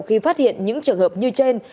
khi phát hiện những trường hợp như trên